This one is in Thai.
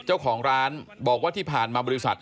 เจ้าของร้านบอกว่าที่ผ่านมาบริษัท